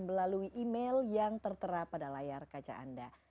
melalui email yang tertera pada layar kaca anda